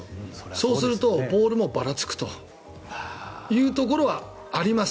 そうすると、ボールもばらつくというところはあります。